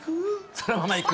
そのままいく。